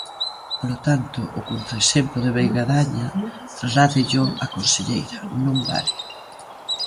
Polo tanto, o contraexemplo de Veigadaña, trasládello á conselleira, non vale.